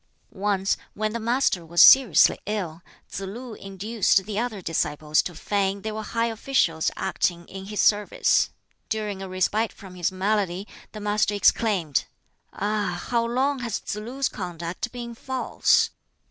Once when the Master was seriously ill, Tsz lu induced the other disciples to feign they were high officials acting in his service. During a respite from his malady the Master exclaimed, "Ah! how long has Tsz lu's conduct been false?